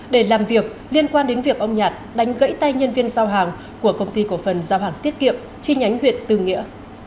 để làm việc liên quan đến việc ông nhạt đánh gãy tay nhân viên giao hàng của công ty cổ phần giao hàng tiết kiệm chi nhánh huyện tư nghĩa